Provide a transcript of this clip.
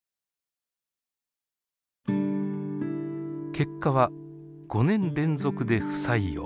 結果は５年連続で不採用。